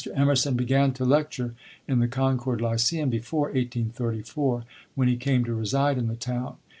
Emerson began to lecture in the Concord Lyceum before 1834, when he came to reside in the town.